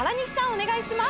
お願いします